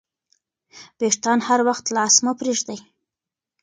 وېښتان هر وخت خلاص مه پریږدئ.